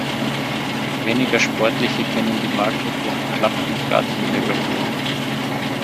Weniger Sportliche kennen die Marke durch Klapp- und Gartenmöbel.